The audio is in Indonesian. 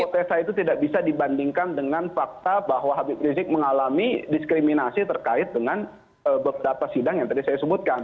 potesa itu tidak bisa dibandingkan dengan fakta bahwa habib rizik mengalami diskriminasi terkait dengan beberapa sidang yang tadi saya sebutkan